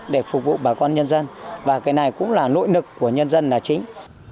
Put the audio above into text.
để phục vụ bà con nhân dân và cái này cũng là nội lực của nhân dân là chính